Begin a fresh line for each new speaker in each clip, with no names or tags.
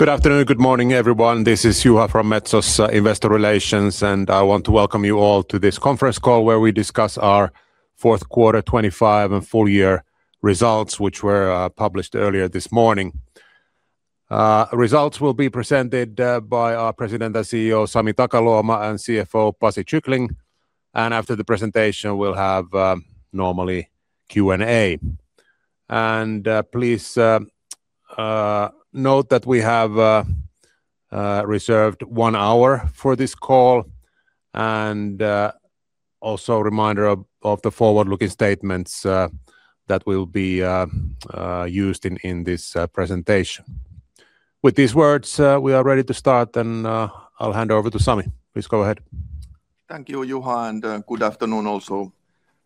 Good afternoon. Good morning, everyone. This is Juha from Metso's Investor Relations, and I want to welcome you all to this conference call, where we discuss our fourth quarter 25 and full year results, which were published earlier this morning. Results will be presented by our President and CEO, Sami Takaluoma, and CFO, Pasi Kyckling. After the presentation, we'll have normally Q&A. Please note that we have reserved one hour for this call. Also reminder of the forward-looking statements that will be used in this presentation. With these words, we are ready to start, and I'll hand over to Sami. Please go ahead.
Thank you, Juha, and good afternoon also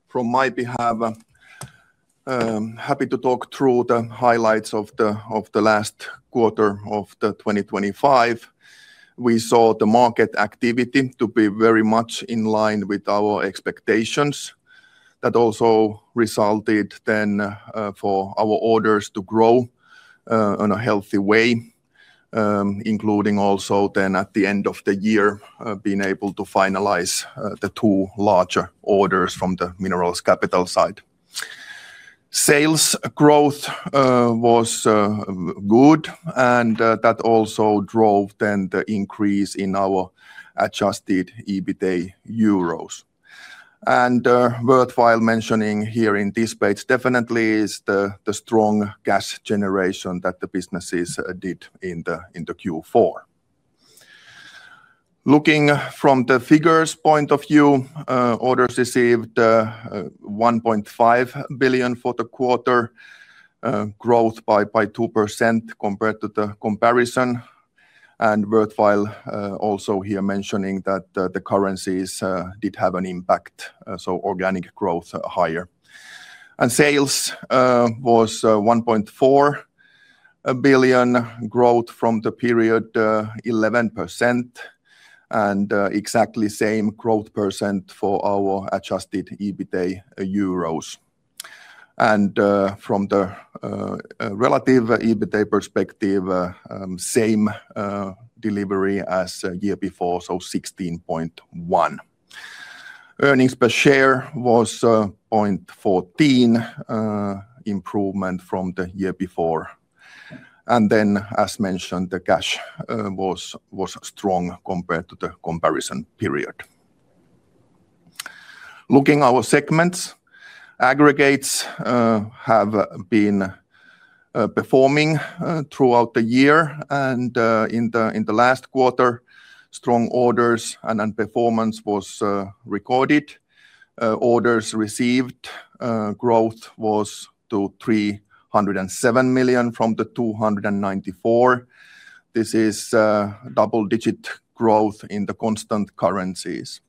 from my behalf. Happy to talk through the highlights of the last quarter of 2025. We saw the market activity to be very much in line with our expectations. That also resulted then for our orders to grow on a healthy way, including also then at the end of the year being able to finalize the two larger orders from the minerals capital side. Sales growth was good, and that also drove then the increase in our Adjusted EBITA euros. And worthwhile mentioning here in this page, definitely is the strong cash generation that the businesses did in the Q4. Looking from the figures point of view, orders received 1.5 billion for the quarter, growth by 2% compared to the comparison. Worthwhile also here mentioning that the currencies did have an impact, so organic growth higher. Sales was 1.4 billion growth from the period, 11%, and exactly same growth percent for our Adjusted EBITA euros. From the relative EBITA perspective, same delivery as year before, so 16.1%. Earnings per share was 0.14, improvement from the year before. Then, as mentioned, the cash was strong compared to the comparison period. Looking our segments, aggregates have been performing throughout the year. In the last quarter, strong orders and performance was recorded. Orders received growth was to 307 million from the 294 million. This is double-digit growth in the constant currencies.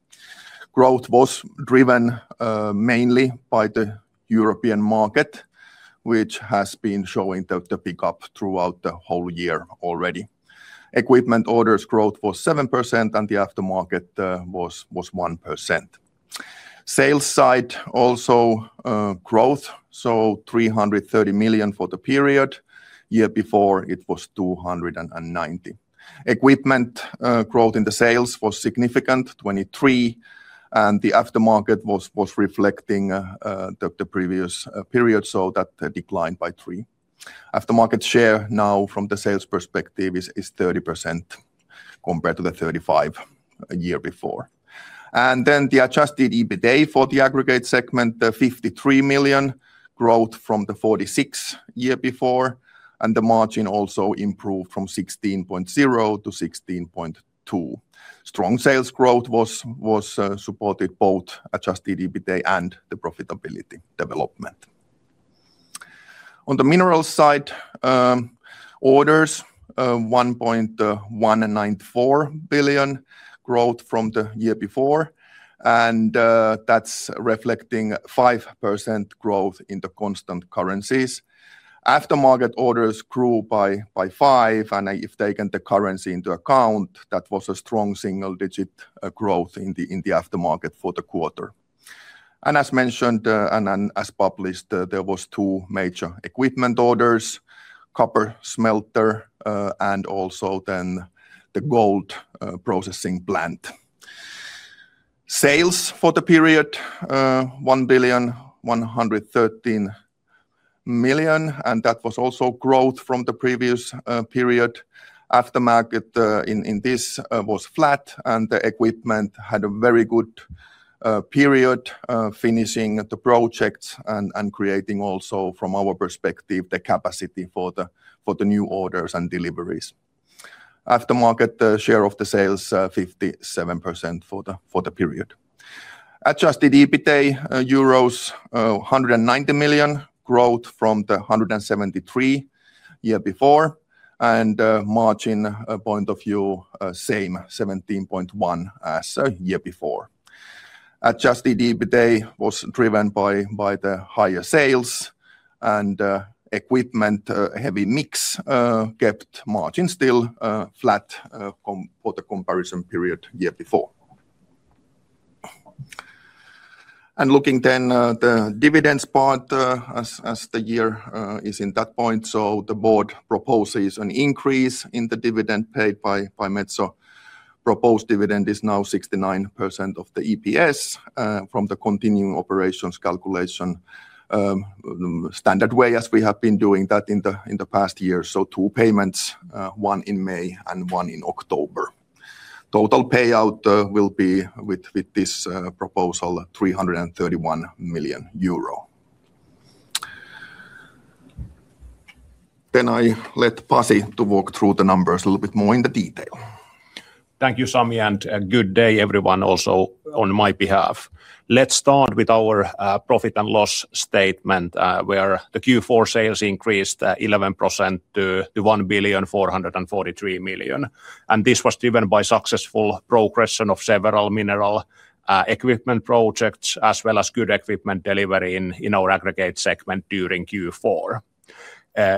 Growth was driven mainly by the European market, which has been showing the pickup throughout the whole year already. Equipment orders growth was 7%, and the aftermarket was 1%. Sales side also growth, so 330 million for the period. Year before, it was 290 million. Equipment growth in the sales was significant, 23%, and the aftermarket was reflecting the previous period, so that declined by 3%. Aftermarket share now from the sales perspective is 30% compared to the 35% a year before. And then the Adjusted EBITA for the aggregate segment, the 53 million, growth from the 46 year before, and the margin also improved from 16.0% to 16.2%. Strong sales growth was supported both Adjusted EBITA and the profitability development. On the mineral side, orders 1.194 billion growth from the year before, and that's reflecting 5% growth in the constant currencies. Aftermarket orders grew by 5, and if taken the currency into account, that was a strong single-digit growth in the aftermarket for the quarter. And as mentioned, and then as published, there was two major equipment orders: copper smelter, and also then the gold processing plant. Sales for the period, 1.113 billion, and that was also growth from the previous period. Aftermarket in this was flat, and the equipment had a very good period, finishing the projects and creating also, from our perspective, the capacity for the new orders and deliveries. Aftermarket share of the sales 57% for the period. Adjusted EBITA euros 190 million, growth from the 173 million year before. Margin point of view same 17.1% as year before. Adjusted EBITA was driven by the higher sales and equipment heavy mix kept margin still flat compared for the comparison period year before. Looking then the dividends part as the year is in that point. So the board proposes an increase in the dividend paid by Metso. Proposed dividend is now 69% of the EPS from the continuing operations calculation, standard way, as we have been doing that in the past year. So 2 payments, one in May and one in October. Total payout will be with this proposal, EUR 331 million. Then I let Pasi to walk through the numbers a little bit more in the detail.
Thank you, Sami, and good day everyone, also on my behalf. Let's start with our profit and loss statement, where the Q4 sales increased eleven percent to 1,443 million. And this was driven by successful progression of several minerals equipment projects, as well as good equipment delivery in our aggregates segment during Q4.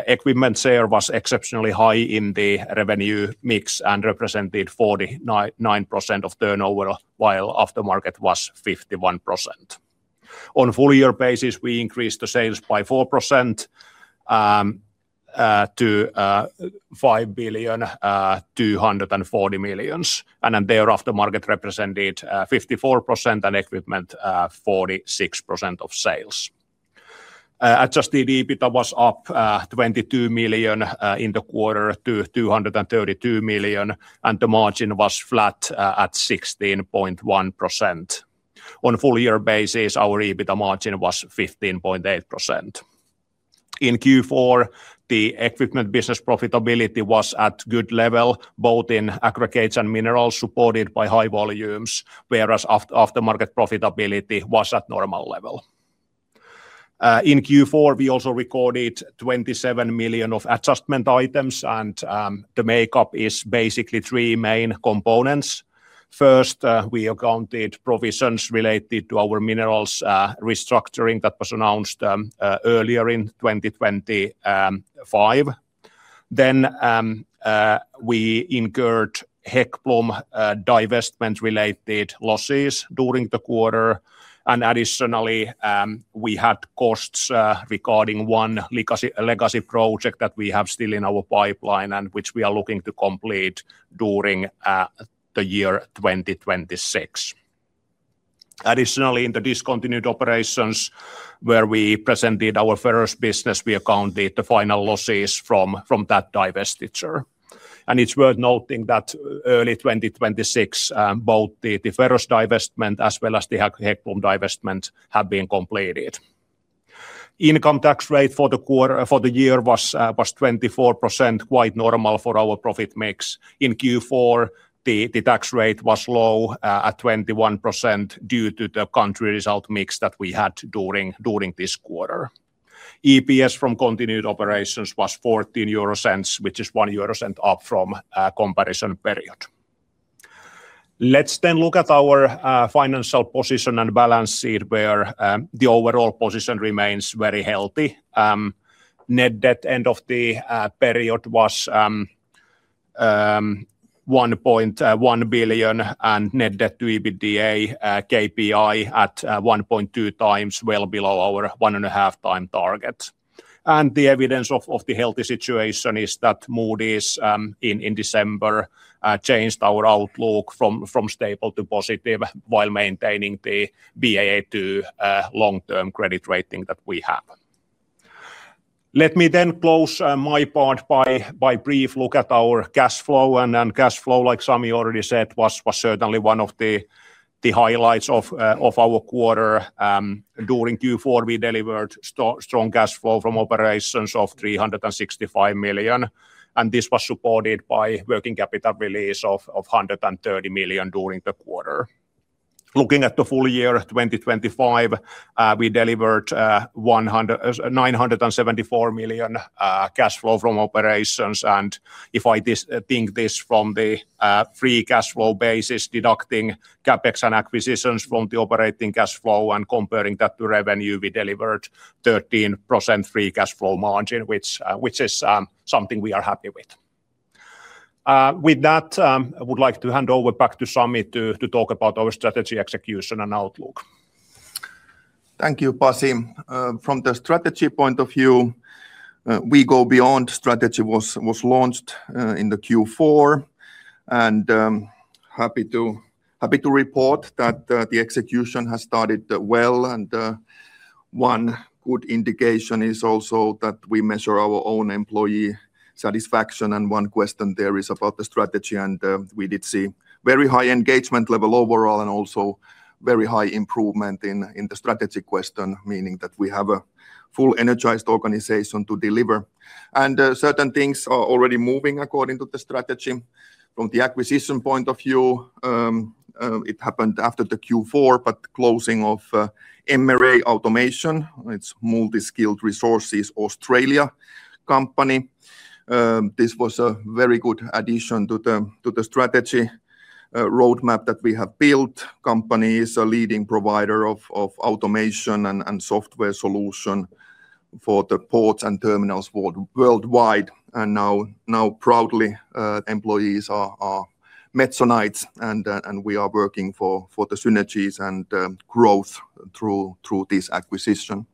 Equipment share was exceptionally high in the revenue mix and represented 49.9% of turnover, while aftermarket was 51%. On full year basis, we increased the sales by 4% to 5,240 million, and aftermarket represented 54% and equipment 46% of sales. Adjusted EBITDA was up 22 million in the quarter to 232 million, and the margin was flat at 16.1%. On full-year basis, our EBITDA margin was 15.8%. In Q4, the equipment business profitability was at good level, both in aggregates and minerals, supported by high volumes. Whereas aftermarket profitability was at normal level. In Q4, we also recorded 27 million of adjustment items, and the makeup is basically three main components. First, we accounted provisions related to our minerals restructuring that was announced earlier in 2025. Then, we incurred Häggblom divestment-related losses during the quarter. Additionally, we had costs regarding one legacy project that we have still in our pipeline and which we are looking to complete during the year 2026. Additionally, in the discontinued operations, where we presented our ferrous business, we accounted the final losses from that divestiture. It's worth noting that early 2026, both the ferrous divestment as well as the Häggblom divestment have been completed. Income tax rate for the quarter for the year was 24%, quite normal for our profit mix. In Q4, the tax rate was low at 21% due to the country result mix that we had during this quarter. EPS from continued operations was 0.14 EUR, which is 0.01 EUR up from comparison period. Let's then look at our financial position and balance sheet, where the overall position remains very healthy. Net debt, end of the period was 1.1 billion, and net debt to EBITDA KPI at 1.2 times, well below our 1.5 times target. And the evidence of the healthy situation is that Moody's in December changed our outlook from stable to positive, while maintaining the Baa2 long-term credit rating that we have. Let me then close my part by brief look at our cash flow, and then cash flow, like Sami already said, was certainly one of the highlights of our quarter. During Q4, we delivered strong cash flow from operations of 365 million, and this was supported by working capital release of 130 million during the quarter. Looking at the full year 2025, we delivered 974 million cash flow from operations. If I think this from the free cash flow basis, deducting CapEx and acquisitions from the operating cash flow and comparing that to revenue, we delivered 13% free cash flow margin, which is something we are happy with. With that, I would like to hand over back to Sami to talk about our strategy, execution, and outlook.
Thank you, Pasi. From the strategy point of view, the We Go Beyond strategy was launched in Q4. Happy to report that the execution has started well. One good indication is also that we measure our own employee satisfaction, and one question there is about the strategy. We did see very high engagement level overall and also very high improvement in the strategy question, meaning that we have a full energized organization to deliver. Certain things are already moving according to the strategy. From the acquisition point of view, it happened after Q4, but closing of MRA Automation, its Multiskilled Resources Australia company. This was a very good addition to the strategy roadmap that we have built. Company is a leading provider of automation and software solutions for the ports and terminals worldwide, and now proudly, employees are Metsoites, and we are working for the synergies and growth through this acquisition.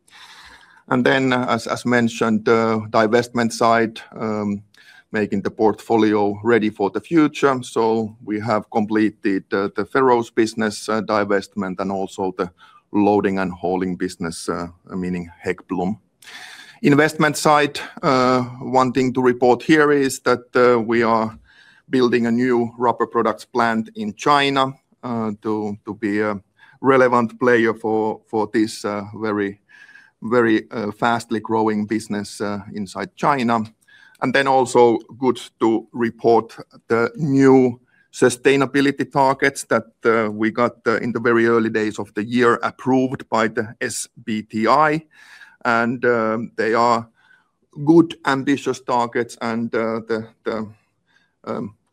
Then, as mentioned, divestment side, making the portfolio ready for the future. So we have completed the ferrous business divestment, and also the loading and hauling business, meaning Häggblom. Investment side, one thing to report here is that we are building a new rubber products plant in China, to be a relevant player for this very, very fastly growing business inside China. And then also good to report the new sustainability targets that we got in the very early days of the year, approved by the SBTi, and they are good, ambitious targets, and the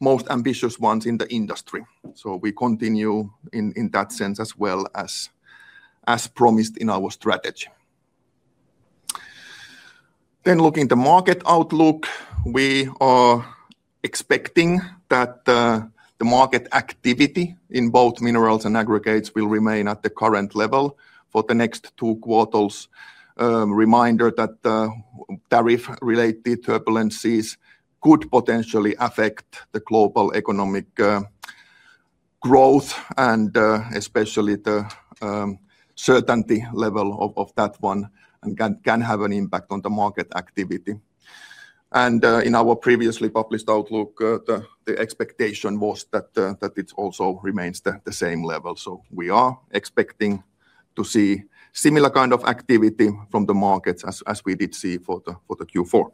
most ambitious ones in the industry. So we continue in that sense, as well as promised in our strategy. Then looking at the market outlook, we are expecting that the market activity in both minerals and aggregates will remain at the current level for the next two quarters. Reminder that tariff-related turbulences could potentially affect the global economic growth and especially the certainty level of that one and can have an impact on the market activity. And in our previously published outlook, the expectation was that it also remains the same level. We are expecting to see similar kind of activity from the markets as we did see for the Q4.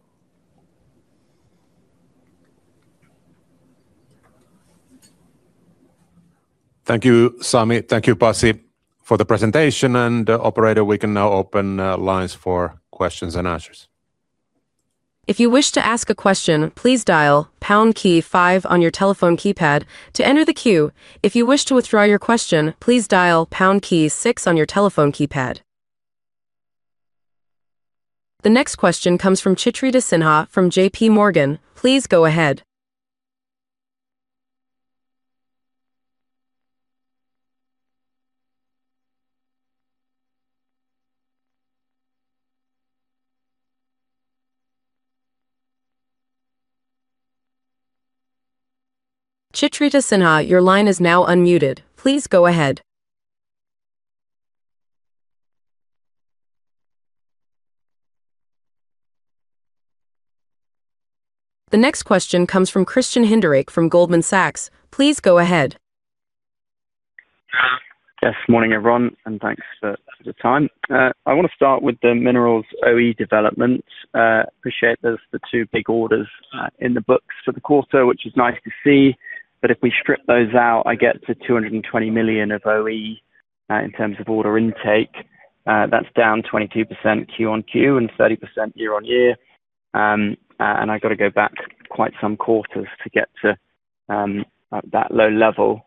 Thank you, Sami. Thank you, Pasi, for the presentation. Operator, we can now open lines for questions and answers.
If you wish to ask a question, please dial pound key five on your telephone keypad to enter the queue. If you wish to withdraw your question, please dial pound key six on your telephone keypad. The next question comes from Chitrita Sinha from JP Morgan. Please go ahead. Chitrita Sinha, your line is now unmuted. Please go ahead. The next question comes from Christian Hinderaker from Goldman Sachs. Please go ahead.
Yes, morning, everyone, and thanks for the time. I want to start with the minerals OE developments. Appreciate those two big orders in the books for the quarter, which is nice to see. But if we strip those out, I get to 220 million of OE in terms of order intake. That's down 22% Q-on-Q and 30% year-on-year. And I've got to go back quite some quarters to get to that low level.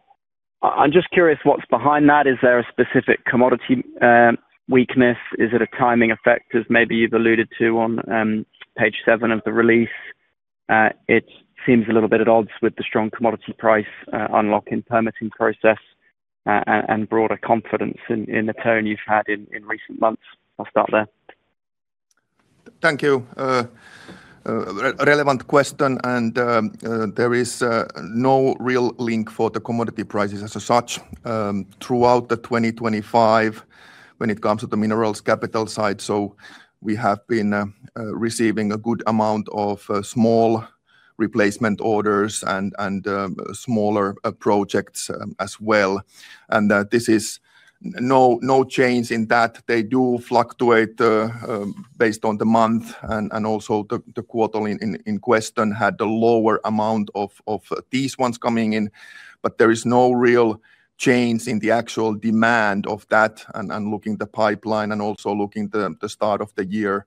I'm just curious what's behind that. Is there a specific commodity weakness? Is it a timing effect, as maybe you've alluded to on page 7 of the release? It seems a little bit at odds with the strong commodity price, unlocking permitting process, and broader confidence in the tone you've had in recent months. I'll stop there.
Thank you. Relevant question, and there is no real link for the commodity prices as such throughout 2025 when it comes to the minerals capital side. So we have been receiving a good amount of small replacement orders and smaller projects as well. And that this is no change in that. They do fluctuate based on the month and also the quarter in question had a lower amount of these ones coming in, but there is no real change in the actual demand of that. And looking the pipeline and also looking the start of the year,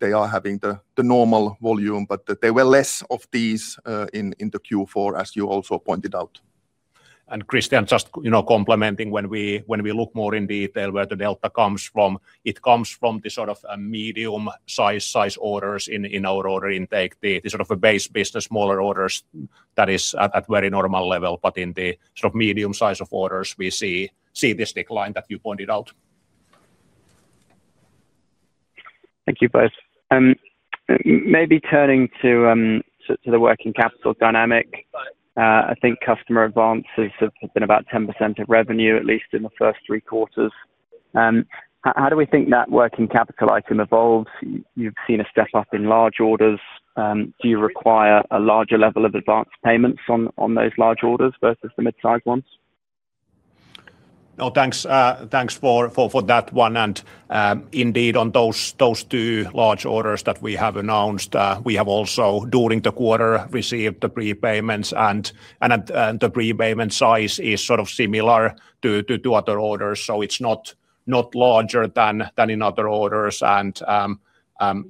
they are having the normal volume, but there were less of these in the Q4, as you also pointed out.
And Christian, just, you know, complementing when we look more in detail where the delta comes from, it comes from the sort of a medium size orders in our order intake. The sort of a base business, smaller orders that is at very normal level, but in the sort of medium size of orders, we see this decline that you pointed out.
Thank you both. Maybe turning to the working capital dynamic, I think customer advances have been about 10% of revenue, at least in the first three quarters. How do we think that working capital item evolves? You've seen a step up in large orders. Do you require a larger level of advanced payments on those large orders versus the mid-sized ones?
Oh, thanks, thanks for that one, and indeed, on those two large orders that we have announced, we have also, during the quarter, received the prepayments and the prepayment size is sort of similar to other orders. So it's not larger than in other orders, and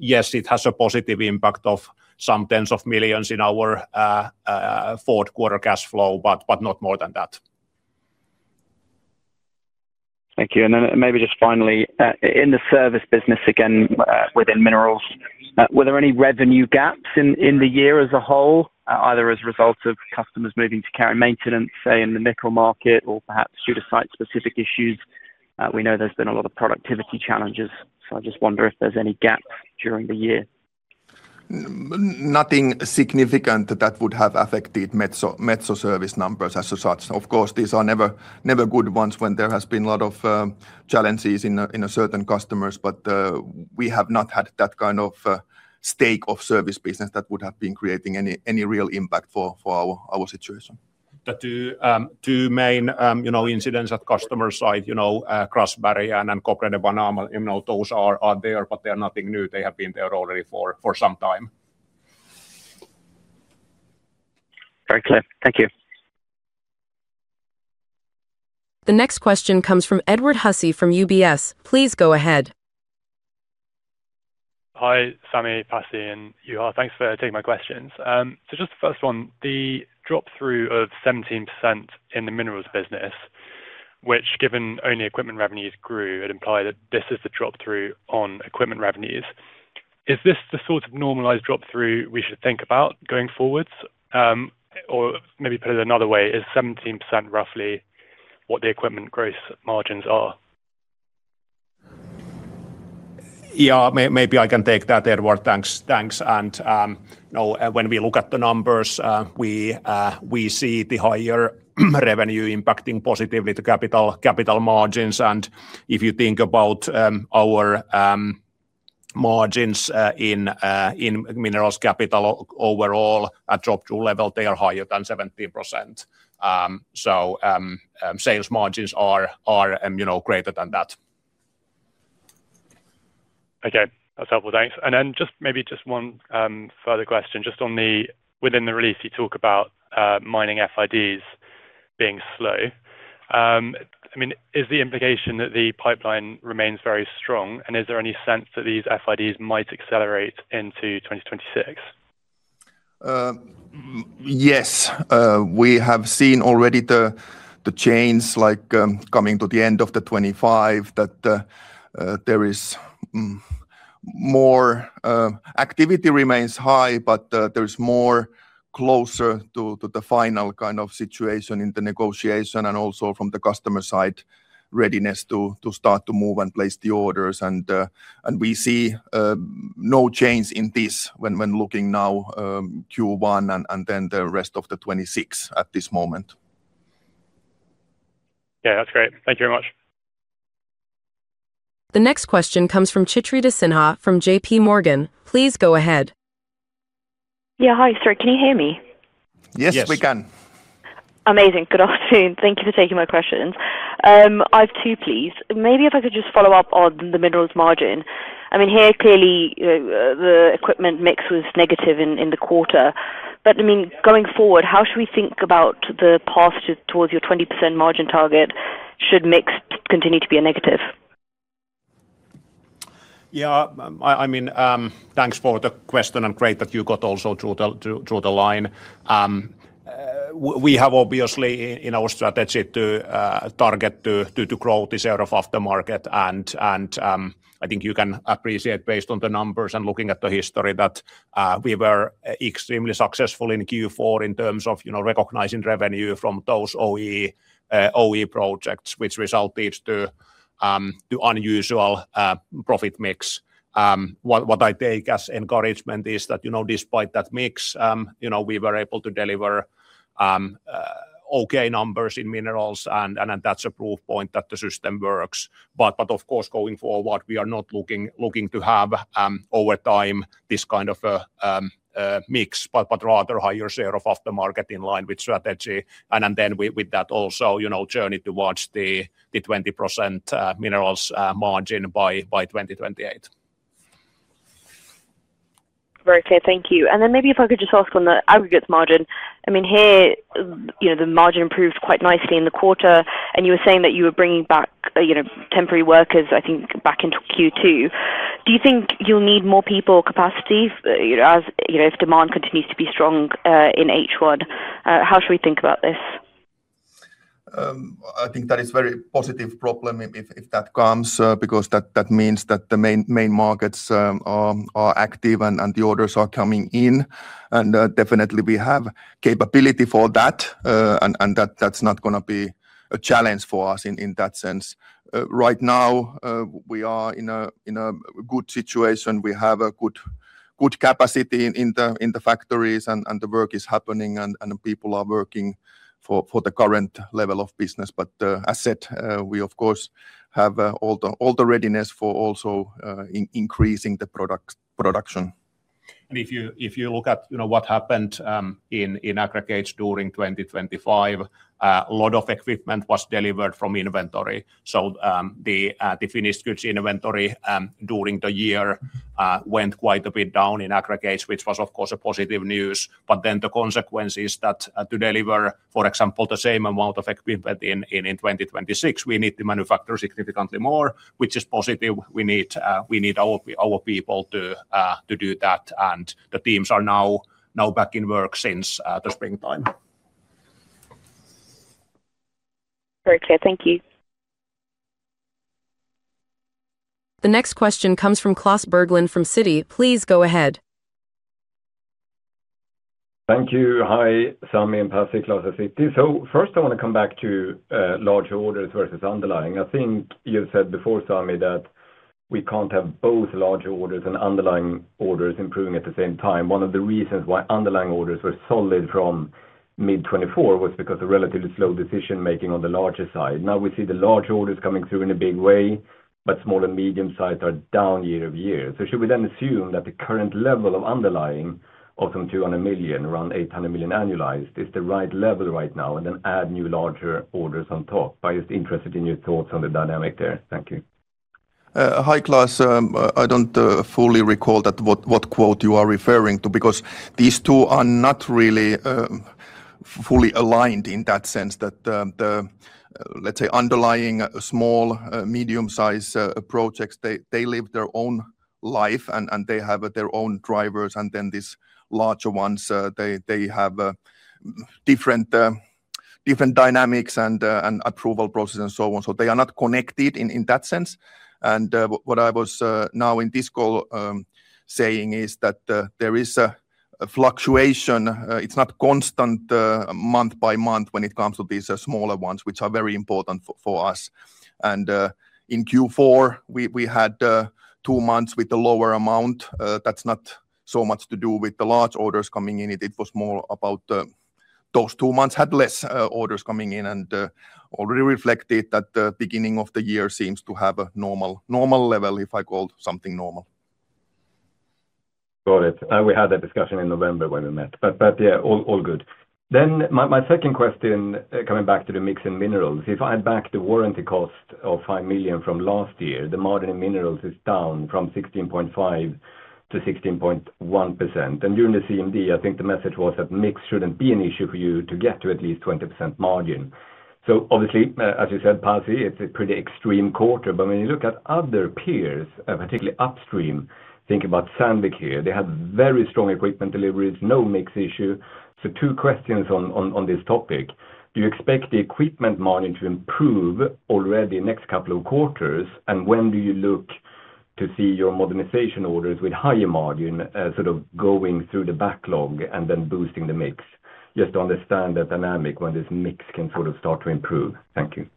yes, it has a positive impact of some tens of millions in our fourth quarter cash flow, but not more than that. ...
Thank you. And then maybe just finally, in the service business, again, within minerals, were there any revenue gaps in, in the year as a whole, either as a result of customers moving to carry maintenance, say, in the nickel market or perhaps due to site-specific issues? We know there's been a lot of productivity challenges, so I just wonder if there's any gaps during the year.
Nothing significant that would have affected Metso, Metso service numbers as such. Of course, these are never, never good ones when there has been a lot of challenges in a certain customers, but we have not had that kind of stake of service business that would have been creating any real impact for our situation.
The two main incidents at customer site, you know, Grasberg and Cobre Panama, you know, those are there, but they are nothing new. They have been there already for some time.
Very clear. Thank you.
The next question comes from Edward Hussey from UBS. Please go ahead.
Hi, Sami, Pasi, and Juha. Thanks for taking my questions. So just the first one, the drop-through of 17% in the minerals business, which given only equipment revenues grew, it implied that this is the drop-through on equipment revenues. Is this the sort of normalized drop-through we should think about going forward? Or maybe put it another way, is 17% roughly what the equipment gross margins are?
Yeah, maybe I can take that, Edward. Thanks. Thanks, and you know, when we look at the numbers, we see the higher revenue impacting positively the capital margins. And if you think about our margins in minerals capital overall, at EBITDA level, they are higher than 17%. So sales margins are you know, greater than that.
Okay, that's helpful. Thanks. And then just maybe just one further question. Just on the... Within the release, you talk about mining FIDs being slow. I mean, is the implication that the pipeline remains very strong, and is there any sense that these FIDs might accelerate into 2026?
Yes. We have seen already the, the change, like, coming to the end of 2025, that, there is, more... Activity remains high, but, there is more closer to, to the final kind of situation in the negotiation, and also from the customer side, readiness to, to start to move and place the orders. And, and we see, no change in this when, when looking now, Q1 and, and then the rest of 2026 at this moment.
Yeah, that's great. Thank you very much.
The next question comes from Chitrita Sinha from JPMorgan. Please go ahead.
Yeah. Hi, sir, can you hear me?
Yes, we can.
Yes.
Amazing. Good afternoon. Thank you for taking my questions. I have two, please. Maybe if I could just follow up on the minerals margin. I mean, here, clearly, the equipment mix was negative in the quarter, but I mean, going forward, how should we think about the path towards your 20% margin target, should mix continue to be a negative?
Yeah, I mean, thanks for the question and great that you got also through the line. We have obviously in our strategy to target to grow this area of aftermarket, and I think you can appreciate based on the numbers and looking at the history that we were extremely successful in Q4 in terms of, you know, recognizing revenue from those OE projects, which resulted to unusual profit mix. What I take as encouragement is that, you know, despite that mix, you know, we were able to deliver okay numbers in minerals, and that's a proof point that the system works. But of course, going forward, we are not looking to have, over time, this kind of mix, but rather higher share of aftermarket in line with strategy. And then with that also, you know, journey towards the 20% minerals margin by 2028.
Very clear. Thank you. And then maybe if I could just ask on the aggregates margin. I mean, here, you know, the margin improved quite nicely in the quarter, and you were saying that you were bringing back, you know, temporary workers, I think, back into Q2. Do you think you'll need more people capacity, you know, as, you know, if demand continues to be strong, in H1? How should we think about this?
I think that is a very positive problem if that comes, because that means that the main markets are active and the orders are coming in. And definitely we have capability for that, and that’s not gonna be a challenge for us in that sense. Right now, we are in a good situation. We have a good capacity in the factories, and the work is happening, and people are working for the current level of business. But as said, we of course have all the readiness for also increasing the production.
And if you, if you look at, you know, what happened in aggregates during 2025, a lot of equipment was delivered from inventory. So, the finished goods inventory during the year went quite a bit down in aggregates, which was of course, a positive news. But then the consequence is that, to deliver, for example, the same amount of equipment in 2026, we need to manufacture significantly more, which is positive. We need our people to do that, and the teams are now back in work since the springtime.
Very clear. Thank you....
The next question comes from Klas Bergelind, from Citi. Please go ahead.
Thank you. Hi, Sami and Pasi, Klas Bergelind at Citi. So first, I wanna come back to larger orders versus underlying. I think you've said before, Sami, that we can't have both larger orders and underlying orders improving at the same time. One of the reasons why underlying orders were solid from mid-2024 was because of relatively slow decision-making on the larger side. Now, we see the large orders coming through in a big way, but small and medium sides are down year-over-year. So should we then assume that the current level of underlying, often 200 million, around 800 million annualized, is the right level right now, and then add new larger orders on top? I'm just interested in your thoughts on the dynamic there. Thank you.
Hi, Klas. I don't fully recall what quote you are referring to, because these two are not really fully aligned in that sense. That the underlying small medium-sized projects, they live their own life, and they have their own drivers, and then these larger ones, they have different dynamics and approval processes and so on. So they are not connected in that sense. And what I was now in this call saying is that there is a fluctuation. It's not constant month by month when it comes to these smaller ones, which are very important for us. And in Q4, we had two months with a lower amount. That's not so much to do with the large orders coming in. It, it was more about, those two months had less, orders coming in and, already reflected that the beginning of the year seems to have a normal, normal level, if I called something normal.
Got it. We had a discussion in November when we met, but yeah, all good. Then my second question, coming back to the mix in minerals. If I back the warranty cost of 5 million from last year, the margin in minerals is down from 16.5% to 16.1%. And during the CMD, I think the message was that mix shouldn't be an issue for you to get to at least 20% margin. So obviously, as you said, Pasi, it's a pretty extreme quarter. But when you look at other peers, particularly upstream, think about Sandvik here. They have very strong equipment deliveries, no mix issue. So two questions on this topic: Do you expect the equipment margin to improve already next couple of quarters? When do you look to see your modernization orders with higher margin, sort of going through the backlog and then boosting the mix? Just to understand the dynamic when this mix can sort of start to improve. Thank you.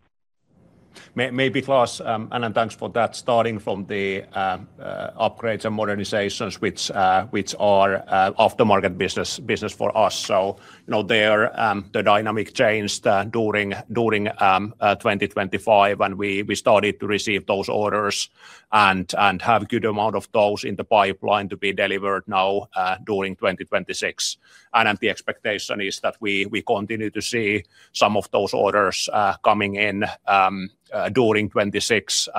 Maybe, Klas, and then thanks for that. Starting from the upgrades and modernizations, which are aftermarket business for us. So, you know, they are, the dynamics changed during 2025 when we started to receive those orders and have a good amount of those in the pipeline to be delivered now during 2026. And then the expectation is that we continue to see some of those orders coming in during 2026.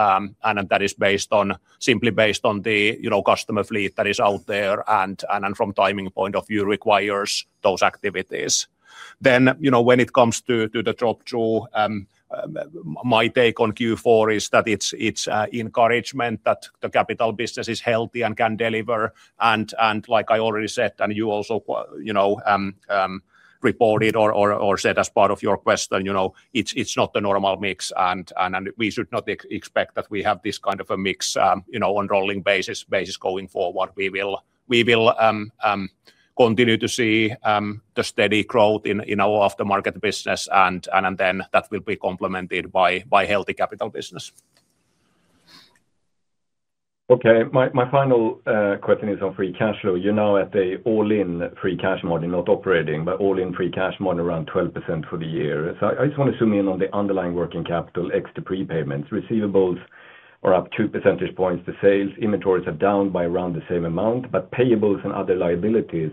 And that is based on simply based on the, you know, customer fleet that is out there, and from timing point of view, requires those activities. Then, you know, when it comes to the drop-through, my take on Q4 is that it's encouragement that the capital business is healthy and can deliver. Like I already said, and you also, you know, reported or said as part of your question, you know, it's not the normal mix, and we should not expect that we have this kind of a mix, you know, on rolling basis going forward. We will continue to see the steady growth in our aftermarket business, and then that will be complemented by healthy capital business.
Okay. My, my final question is on free cash flow. You're now at a all-in free cash margin, not operating, but all-in free cash margin around 12% for the year. So I just wanna zoom in on the underlying working capital, ex the prepayments. Receivables are up two percentage points. The sales inventories are down by around the same amount, but payables and other liabilities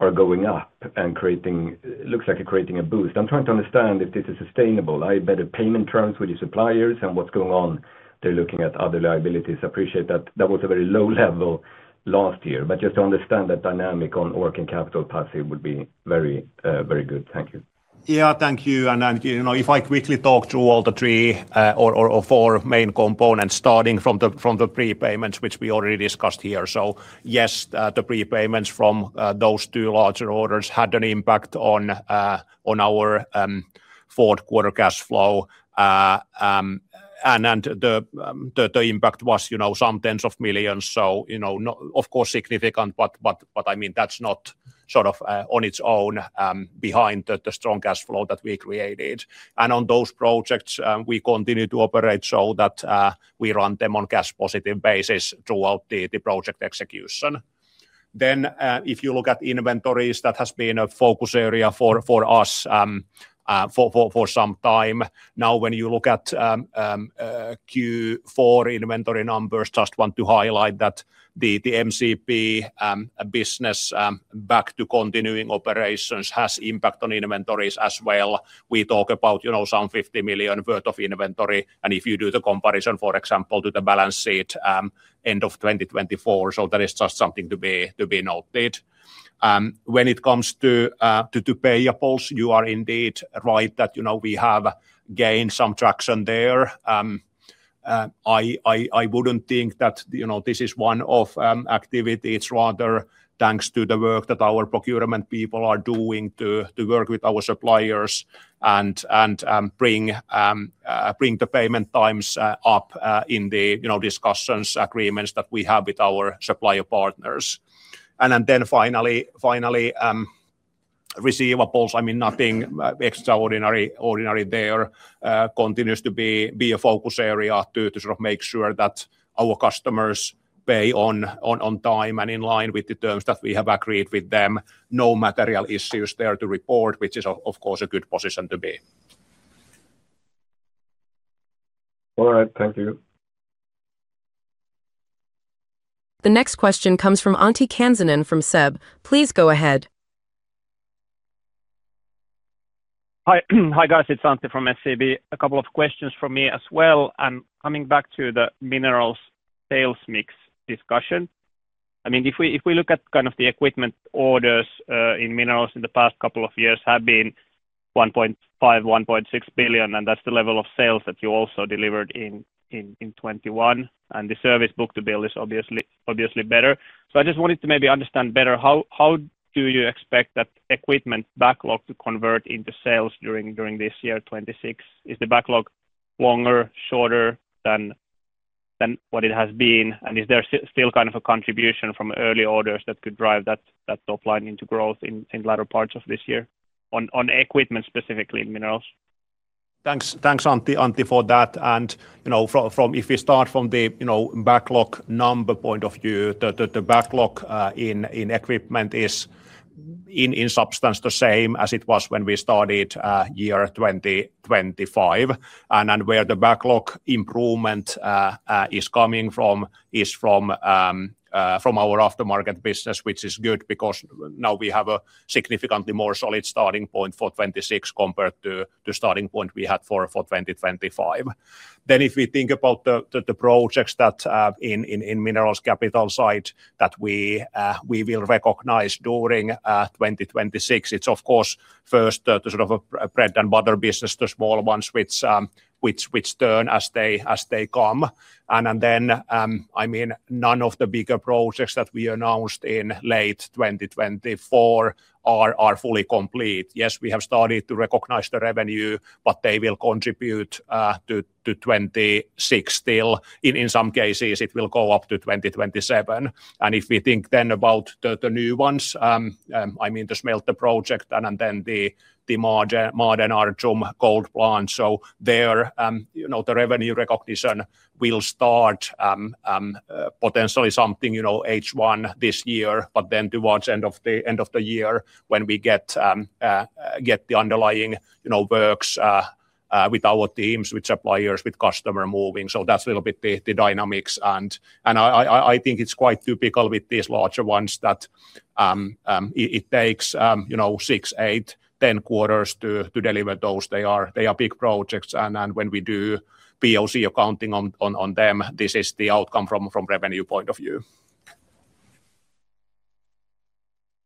are going up and creating... Looks like creating a boost. I'm trying to understand if this is sustainable. Are you better payment terms with your suppliers, and what's going on? They're looking at other liabilities. I appreciate that that was a very low level last year, but just to understand the dynamic on working capital, Pasi, would be very, very good. Thank you.
Yeah, thank you. And, you know, if I quickly talk through all the 3, or 4 main components, starting from the prepayments, which we already discussed here. So yes, the prepayments from those 2 larger orders had an impact on our fourth quarter cash flow. And the impact was, you know, some tens of millions EUR. So, you know, not... Of course, significant, but I mean, that's not sort of on its own behind the strong cash flow that we created. And on those projects, we continue to operate so that we run them on cash positive basis throughout the project execution. Then, if you look at inventories, that has been a focus area for us for some time. Now, when you look at Q4 inventory numbers, just want to highlight that the MCP business back to continuing operations has impact on inventories as well. We talk about, you know, some 50 million worth of inventory, and if you do the comparison, for example, to the balance sheet end of 2024. So that is just something to be noted. When it comes to payables, you are indeed right that, you know, we have gained some traction there. I wouldn't think that, you know, this is one of activity. It's rather thanks to the work that our procurement people are doing to work with our suppliers and bring the payment times up, you know, in the discussions, agreements that we have with our supplier partners. And then finally, receivables, I mean, nothing extraordinary, ordinary there, continues to be a focus area to sort of make sure that our customers pay on time and in line with the terms that we have agreed with them. No material issues there to report, which is, of course, a good position to be.
All right. Thank you.
The next question comes from Antti Kansanen from SEB. Please go ahead.
Hi. Hi, guys, it's Antti from SEB. A couple of questions from me as well. I'm coming back to the minerals sales mix discussion. I mean, if we look at kind of the equipment orders in minerals in the past couple of years have been 1.5 billion, 1.6 billion, and that's the level of sales that you also delivered in 2021. And the service book-to-bill is obviously better. So I just wanted to maybe understand better how do you expect that equipment backlog to convert into sales during this year, 2026? Is the backlog longer, shorter than what it has been? And is there still kind of a contribution from early orders that could drive that top line into growth in latter parts of this year on equipment, specifically in minerals?
Thanks, Antti, for that. And, you know, from-- if we start from the, you know, backlog number point of view, the backlog in equipment is in substance the same as it was when we started year 2025. And where the backlog improvement is coming from is from our aftermarket business, which is good because now we have a significantly more solid starting point for 2026 compared to the starting point we had for 2025. Then if we think about the projects that in minerals capital site that we will recognize during 2026, it's of course first the sort of a bread and butter business, the small ones, which turn as they come. I mean, none of the bigger projects that we announced in late 2024 are fully complete. Yes, we have started to recognize the revenue, but they will contribute to 2026 still. In some cases, it will go up to 2027. And if we think then about the new ones, I mean, the smelter project and then the modern Ar Rjum gold plant. So there, you know, the revenue recognition will start potentially something, you know, H1 this year, but then towards end of the year when we get the underlying, you know, works with our teams, with suppliers, with customer moving. So that's a little bit the dynamics. I think it's quite typical with these larger ones that it takes, you know, 6, 8, 10 quarters to deliver those. They are big projects, and when we do POC accounting on them, this is the outcome from revenue point of view.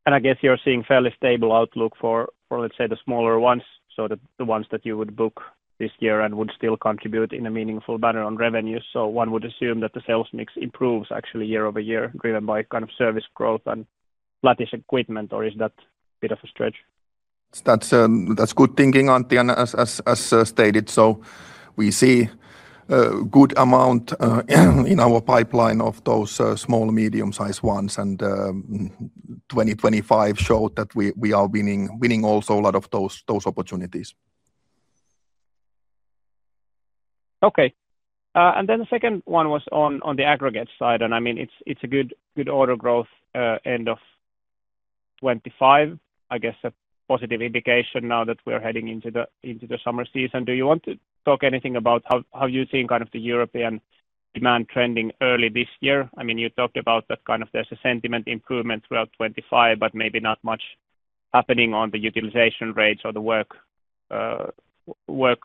I guess you're seeing fairly stable outlook for, let's say, the smaller ones, so the ones that you would book this year and would still contribute in a meaningful manner on revenues. One would assume that the sales mix improves actually year-over-year, driven by kind of service growth and lattice equipment, or is that bit of a stretch?
That's good thinking, Antti, and as stated. So we see a good amount in our pipeline of those small, medium-sized ones. And 2025 showed that we are winning also a lot of those opportunities.
Okay. And then the second one was on the aggregate side, and I mean, it's a good order growth end of 2025. I guess a positive indication now that we're heading into the summer season. Do you want to talk anything about how you think kind of the European demand trending early this year? I mean, you talked about that kind of there's a sentiment improvement throughout 2025, but maybe not much happening on the utilization rates or the work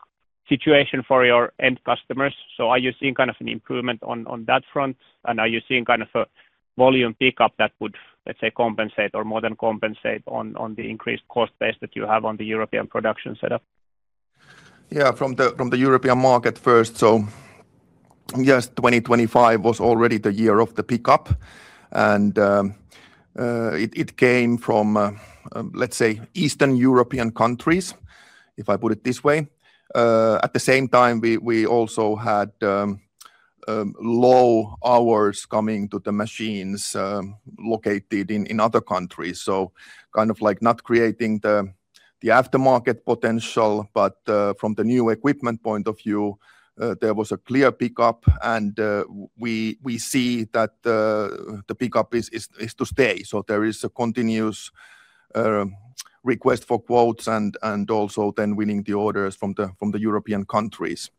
situation for your end customers. So are you seeing kind of an improvement on that front? And are you seeing kind of a volume pickup that would, let's say, compensate or more than compensate on the increased cost base that you have on the European production setup?
Yeah, from the European market first. So just 2025 was already the year of the pickup, and it came from, let's say, Eastern European countries, if I put it this way. At the same time, we also had low hours coming to the machines located in other countries. So kind of like not creating the aftermarket potential, but from the new equipment point of view, there was a clear pickup, and we see that the pickup is to stay. So there is a continuous request for quotes and also then winning the orders from the European countries.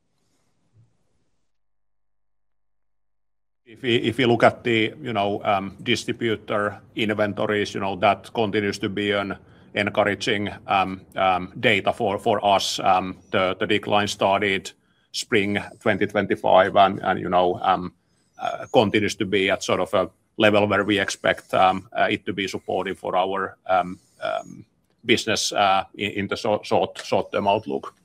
If we, if you look at the, you know, distributor inventories, you know, that continues to be an encouraging data for us. The decline started spring 2025 and, you know, continues to be at sort of a level where we expect it to be supportive for our business in the short-term outlook.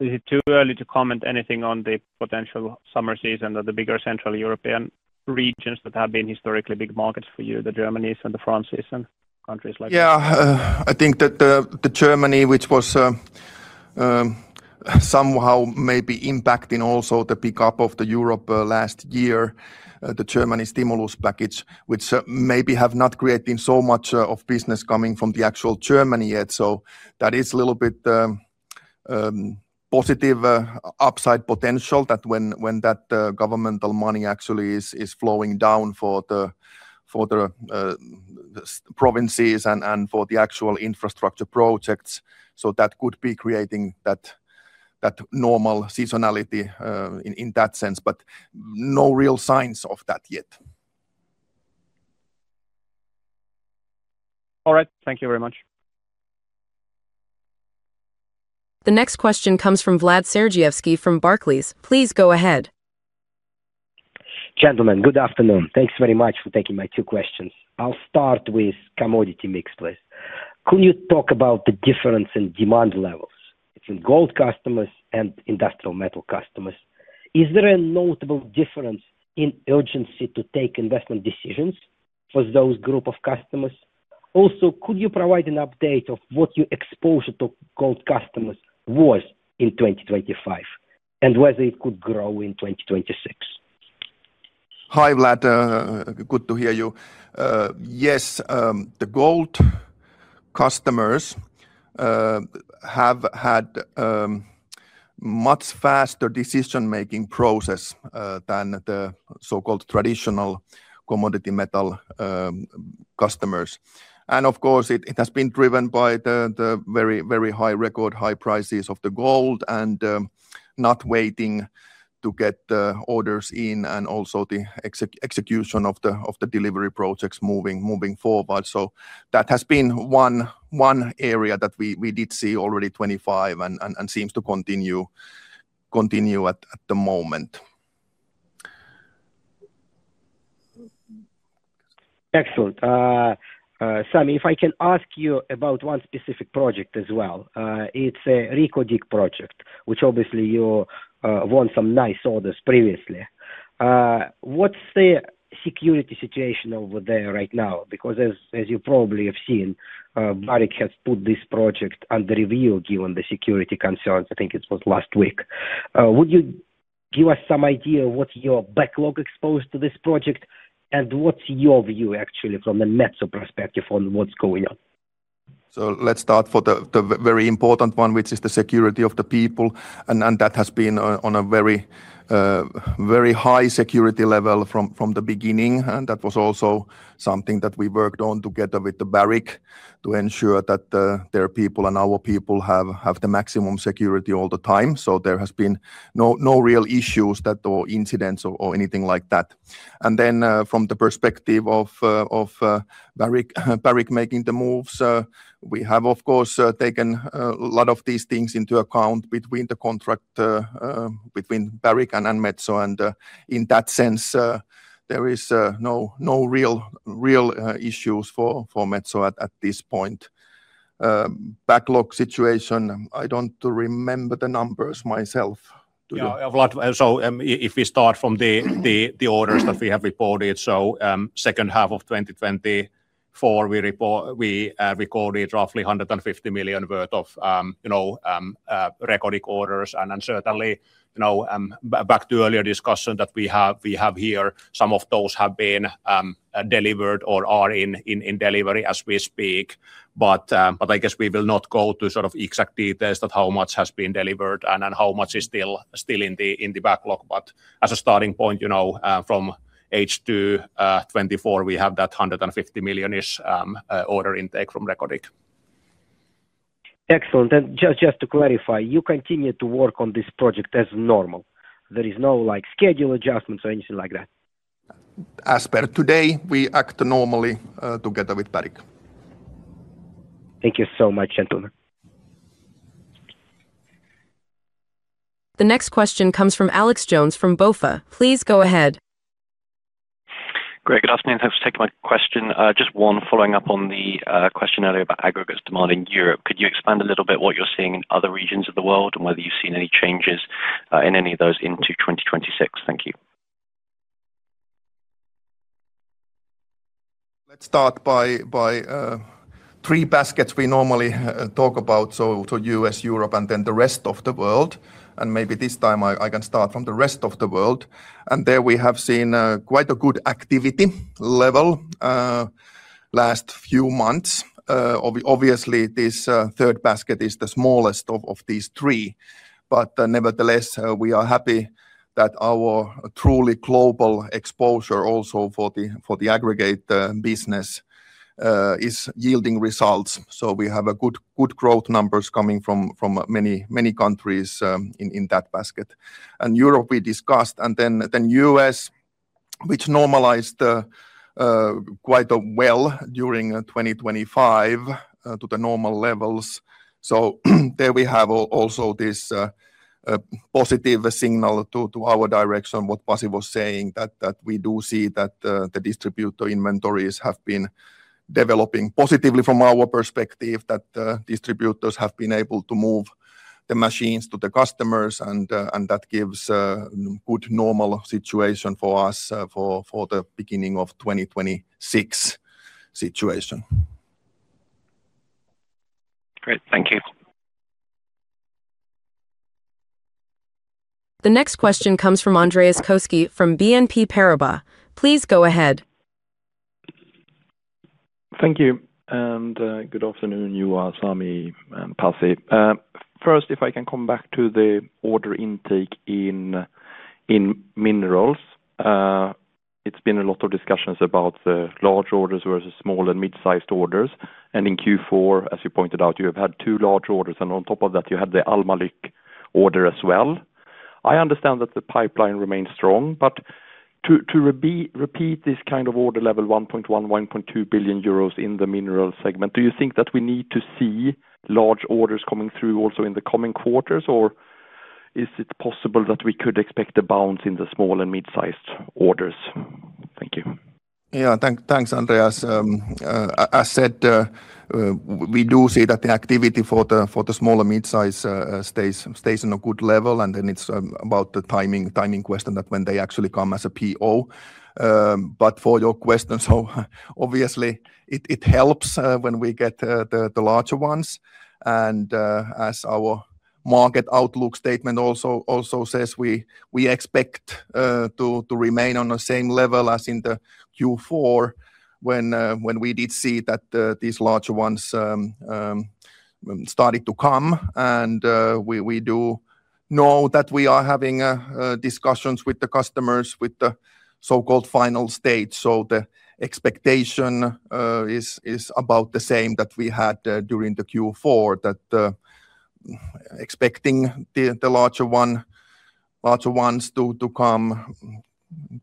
Is it too early to comment anything on the potential summer season of the bigger Central European regions that have been historically big markets for you, the Germanies and the Frances and countries like that?
Yeah. I think that the Germany, which was somehow maybe impacting also the pickup of the Europe last year, the Germany stimulus package, which maybe have not created so much of business coming from the actual Germany yet. So that is a little bit positive upside potential that when that governmental money actually is flowing down for the provinces and for the actual infrastructure projects. So that could be creating that normal seasonality in that sense, but no real signs of that yet.
All right. Thank you very much.
The next question comes from Vlad Sergievsky from Barclays. Please go ahead.
Gentlemen, good afternoon. Thanks very much for taking my two questions. I'll start with commodity mix list. Could you talk about the difference in demand levels between gold customers and industrial metal customers? Is there a notable difference in urgency to take investment decisions for those group of customers? Also, could you provide an update of what your exposure to gold customers was in 2025, and whether it could grow in 2026?
Hi, Vlad. Good to hear you. Yes, the gold customers have had much faster decision-making process than the so-called traditional commodity metal customers. And of course, it has been driven by the very, very high, record high prices of the gold and not waiting to get the orders in, and also the execution of the delivery projects moving forward. So that has been one area that we did see already 2025 and seems to continue at the moment.
Excellent. Sami, if I can ask you about one specific project as well. It's a Reko Diq project, which obviously you won some nice orders previously. What's the security situation over there right now? Because as you probably have seen, Barrick has put this project under review given the security concerns. I think it was last week. Would you give us some idea what your backlog exposed to this project, and what's your view actually from a Metso perspective on what's going on?
So let's start for the very important one, which is the security of the people, and that has been on a very high security level from the beginning. And that was also something that we worked on together with Barrick to ensure that their people and our people have the maximum security all the time. So there has been no real issues or incidents or anything like that. And then from the perspective of Barrick making the moves, we have of course taken a lot of these things into account between the contract between Barrick and Metso. And in that sense there is no real issues for Metso at this point. Backlog situation, I don't remember the numbers myself. Do you?
Yeah, Vlad, so if we start from the orders that we have reported, so second half of 2024, we recorded roughly 150 million worth of, you know, Reko Diq orders. And then certainly, you know, back to earlier discussion that we have, we have here, some of those have been delivered or are in delivery as we speak. But, but I guess we will not go to sort of exact details of how much has been delivered and how much is still in the backlog. But as a starting point, you know, from H2 2024, we have that 150 million-ish order intake from Reko Diq.
Excellent. Just, just to clarify, you continue to work on this project as normal? There is no, like, schedule adjustments or anything like that?
As per today, we act normally, together with Barrick.
Thank you so much, gentlemen.
The next question comes from Alex Jones from BofA. Please go ahead.
Great. Good afternoon, thanks for taking my question. Just one following up on the question earlier about aggregates demand in Europe. Could you expand a little bit what you're seeing in other regions of the world, and whether you've seen any changes in any of those into 2026? Thank you.
Let's start by three baskets we normally talk about, so US, Europe, and then the rest of the world. And maybe this time I can start from the rest of the world. And there we have seen quite a good activity level last few months. Obviously, this third basket is the smallest of these three, but nevertheless, we are happy that our truly global exposure also for the aggregate business is yielding results. So we have a good growth numbers coming from many countries in that basket. And Europe, we discussed, and then US, which normalized quite well during 2025 to the normal levels. So there we have also this positive signal to our direction, what Pasi was saying, that we do see that the distributor inventories have been developing positively from our perspective, that the distributors have been able to move the machines to the customers, and that gives a good normal situation for us, for the beginning of 2026 situation.
Great. Thank you....
The next question comes from Andreas Koski from BNP Paribas. Please go ahead.
Thank you, and good afternoon, Juha, Sami, and Pasi. First, if I can come back to the order intake in minerals. It's been a lot of discussions about the large orders versus small and mid-sized orders, and in Q4, as you pointed out, you have had two large orders, and on top of that, you had the Almalyk order as well. I understand that the pipeline remains strong, but to repeat this kind of order level 1.1 billion-1.2 billion euros in the mineral segment, do you think that we need to see large orders coming through also in the coming quarters? Or is it possible that we could expect a bounce in the small and mid-sized orders? Thank you.
Yeah. Thanks, Andreas. I said we do see that the activity for the small and midsize stays in a good level, and then it's about the timing question that when they actually come as a PO. But for your question, so obviously, it helps when we get the larger ones and as our market outlook statement also says, we expect to remain on the same level as in the Q4, when we did see that these larger ones started to come. And we do know that we are having discussions with the customers with the so-called final stage. So the expectation is about the same that we had during the Q4, that expecting the larger ones to come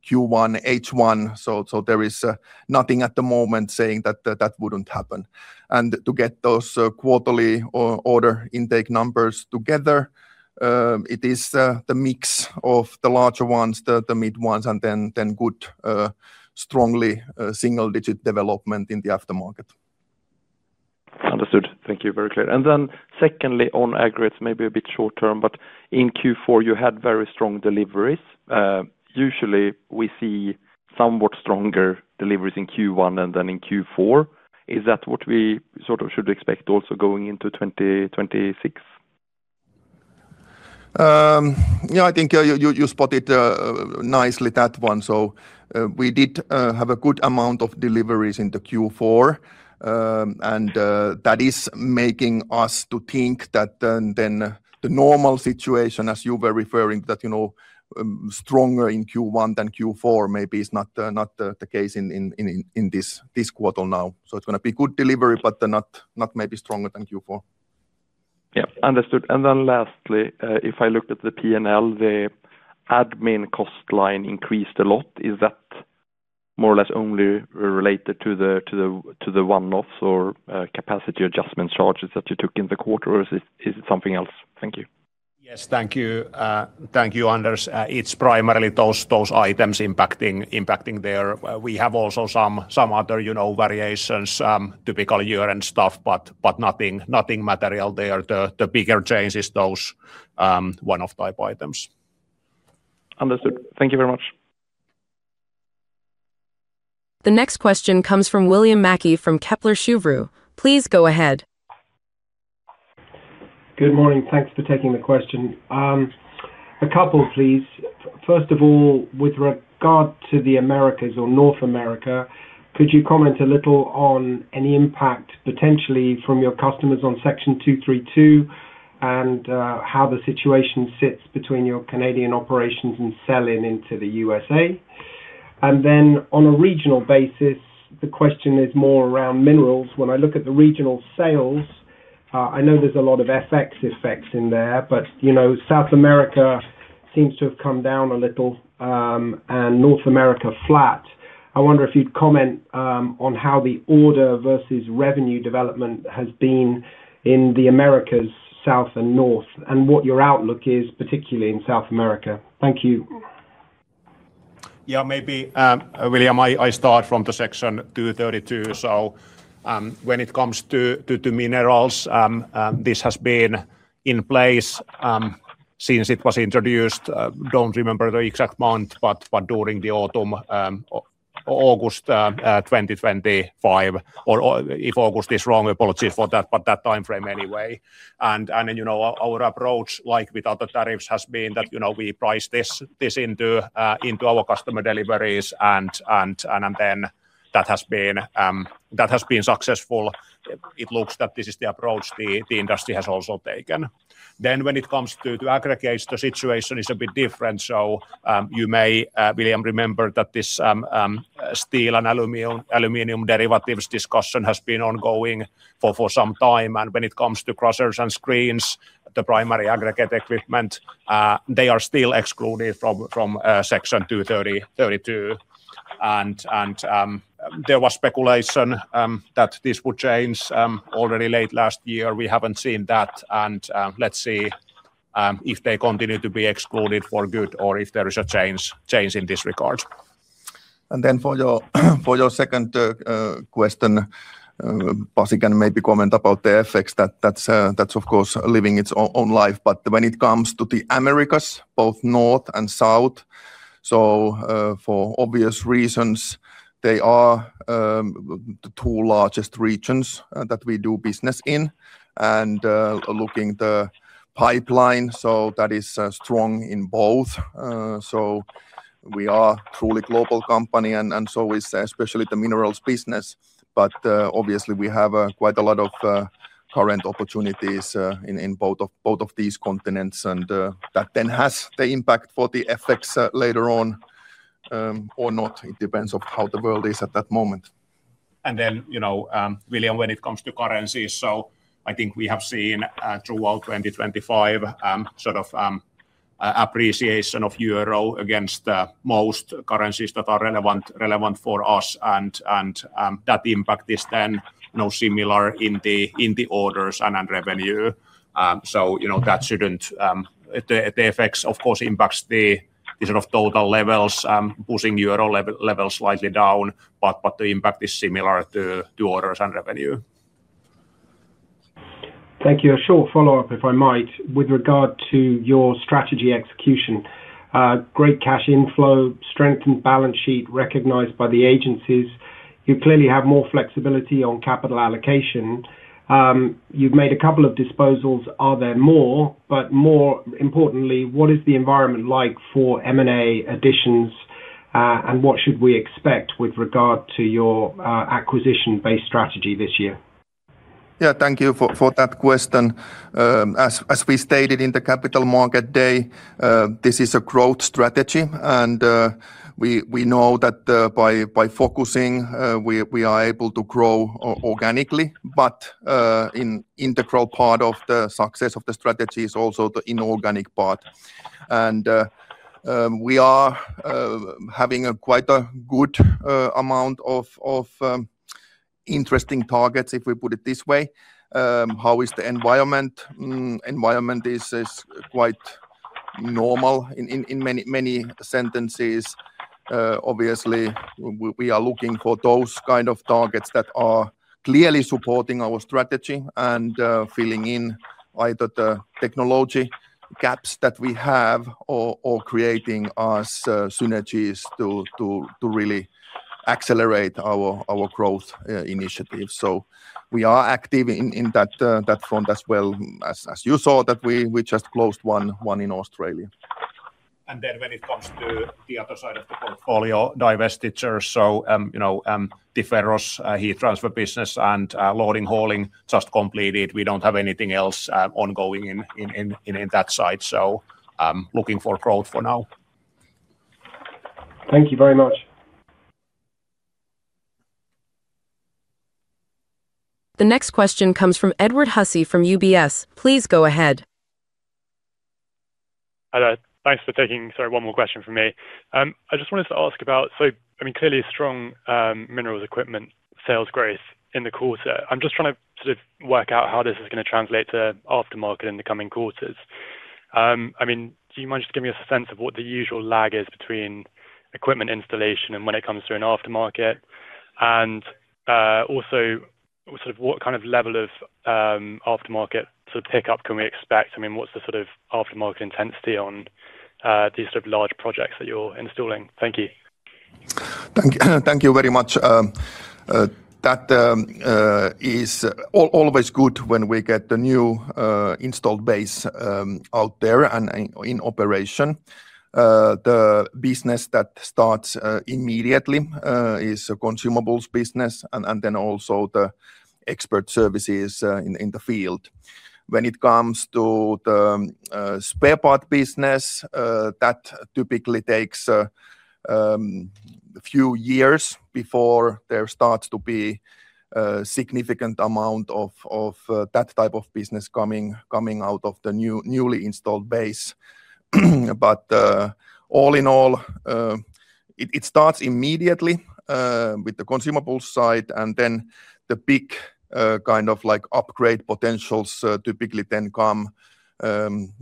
Q1, H1. So there is nothing at the moment saying that that wouldn't happen. And to get those quarterly or order intake numbers together, it is the mix of the larger ones, the mid ones, and then good strongly single-digit development in the aftermarket.
Understood. Thank you. Very clear. And then secondly, on aggregates, maybe a bit short term, but in Q4, you had very strong deliveries. Usually, we see somewhat stronger deliveries in Q1 than in Q4. Is that what we sort of should expect also going into 2026?
Yeah, I think you spotted nicely that one. So, we did have a good amount of deliveries in the Q4. And, that is making us to think that then the normal situation, as you were referring, that, you know, stronger in Q1 than Q4, maybe is not the case in this quarter now. So it's gonna be good delivery, but not maybe stronger than Q4.
Yeah. Understood. Then lastly, if I looked at the PNL, the admin cost line increased a lot. Is that more or less only related to the one-offs or capacity adjustment charges that you took in the quarter, or is it something else? Thank you.
Yes, thank you. Thank you, Andeas. It's primarily those items impacting there. We have also some other, you know, variations, typical year-end stuff, but nothing material there. The bigger change is those one-off type items.
Understood. Thank you very much.
The next question comes from William Mackie from Kepler Cheuvreux. Please go ahead.
Good morning. Thanks for taking the question. A couple, please. First of all, with regard to the Americas or North America, could you comment a little on any impact potentially from your customers on Section 232, and how the situation sits between your Canadian operations and selling into the USA? And then on a regional basis, the question is more around minerals. When I look at the regional sales, I know there's a lot of FX effects in there, but, you know, South America seems to have come down a little, and North America, flat. I wonder if you'd comment on how the order versus revenue development has been in the Americas, South and North, and what your outlook is, particularly in South America. Thank you.
Yeah, maybe, William, I start from the Section 232. So, when it comes to minerals, this has been in place since it was introduced. Don't remember the exact month, but during the autumn, August 2025, or if August is wrong, apologies for that, but that timeframe anyway. And you know, our approach, like with other tariffs, has been that, you know, we price this into our customer deliveries, and then that has been successful. It looks that this is the approach the industry has also taken. Then when it comes to the aggregates, the situation is a bit different. So, you may, William, remember that this, steel and aluminum derivatives discussion has been ongoing for some time, and when it comes to crushers and screens, the primary aggregate equipment, they are still excluded from Section 232. And there was speculation that this would change already late last year. We haven't seen that, and let's see if they continue to be excluded for good or if there is a change in this regard. And then for your second question, Pasi, can maybe comment about the effects that that's of course living its own life. But when it comes to the Americas, both North and South... So, for obvious reasons, they are the two largest regions that we do business in. Looking the pipeline, so that is strong in both. So we are truly global company, and so is especially the minerals business. But obviously, we have quite a lot of current opportunities in both of these continents, and that then has the impact for the effects later on, or not. It depends on how the world is at that moment.
And then, you know, William, when it comes to currency, so I think we have seen, throughout 2025, sort of, appreciation of euro against most currencies that are relevant, relevant for us, and, that impact is then, you know, similar in the, in the orders and, revenue. So, you know, that shouldn't... The, the effects of course, impacts the, the sort of total levels, pushing euro level, level slightly down, but, the impact is similar to, orders and revenue.
Thank you. A short follow-up, if I might. With regard to your strategy execution, great cash inflow, strengthened balance sheet recognized by the agencies. You clearly have more flexibility on capital allocation. You've made a couple of disposals. Are there more? But more importantly, what is the environment like for M&A additions, and what should we expect with regard to your acquisition-based strategy this year?
Yeah, thank you for that question. As we stated in the Capital Markets Day, this is a growth strategy, and we know that by focusing we are able to grow organically, but an integral part of the success of the strategy is also the inorganic part. And we are having a quite good amount of interesting targets, if we put it this way. How is the environment? The environment is quite normal in many senses. Obviously, we are looking for those kind of targets that are clearly supporting our strategy and filling in either the technology gaps that we have or creating us synergies to really accelerate our growth initiative. We are active in that front as well as, as you saw, that we just closed one in Australia.
And then when it comes to the other side of the portfolio divestiture, so, you know, the Ferrous heat transfer business and loading, hauling just completed. We don't have anything else ongoing in that side. So, I'm looking for growth for now.
Thank you very much.
The next question comes from Edward Hussey, from UBS. Please go ahead.
Hello, thanks for taking... Sorry, one more question from me. I just wanted to ask about-- So, I mean, clearly a strong minerals equipment sales growth in the quarter. I'm just trying to sort of work out how this is gonna translate to aftermarket in the coming quarters. I mean, do you mind just give me a sense of what the usual lag is between equipment installation and when it comes to an aftermarket? And, also, sort of what kind of level of aftermarket sort of pickup can we expect? I mean, what's the sort of aftermarket intensity on, these sort of large projects that you're installing? Thank you.
Thank you very much. That is always good when we get the new installed base out there and in operation. The business that starts immediately is a consumables business and then also the expert services in the field. When it comes to the spare part business, that typically takes a few years before there starts to be a significant amount of that type of business coming out of the newly installed base. But all in all, it starts immediately with the consumables side, and then the big kind of like upgrade potentials typically then come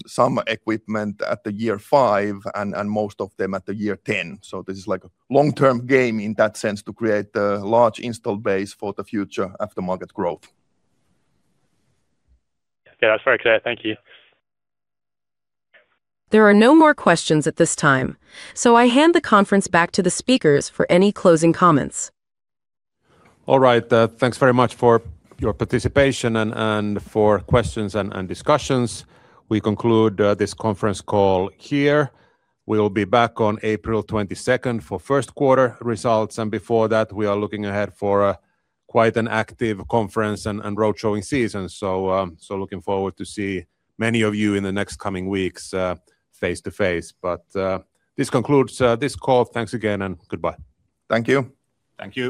some equipment at year 5 and most of them at year 10. This is like a long-term game in that sense, to create a large install base for the future aftermarket growth.
Yeah, that's very clear. Thank you.
There are no more questions at this time, so I hand the conference back to the speakers for any closing comments.
All right. Thanks very much for your participation and for questions and discussions. We conclude this conference call here. We'll be back on April 22nd for first quarter results, and before that, we are looking ahead for quite an active conference and roadshow season. So, so looking forward to see many of you in the next coming weeks, face to face. But this concludes this call. Thanks again, and goodbye.
Thank you.
Thank you.